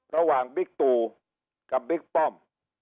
ระหว่างบิ๊กตูกับบิ๊กป้อม